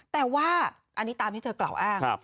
แต่ว่าอันนี้ตามที่เธอกล่าวอ้าง